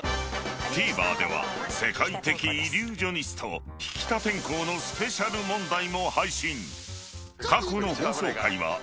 ［ＴＶｅｒでは世界的イリュージョニスト引田天功のスペシャル問題も配信］